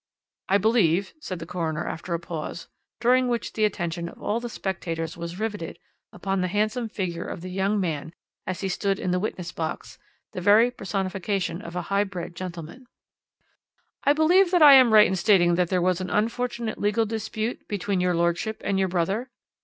"'I believe,' said the coroner after a slight pause, during which the attention of all the spectators was riveted upon the handsome figure of the young man as he stood in the witness box, the very personification of a high bred gentleman, 'I believe that I am right in stating that there was an unfortunate legal dispute between your lordship and your brother?'